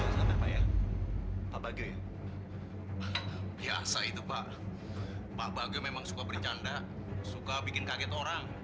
hai semua sama ya apa gue biasa itu pak pak bagi memang suka bercanda suka bikin kaget orang